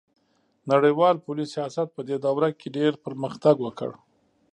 نړیوال پولي سیاست پدې دوره کې ډیر پرمختګ وکړ